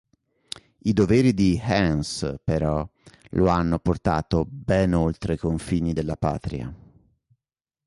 I doveri di Hans, però, lo hanno portato ben oltre i confini della Patria.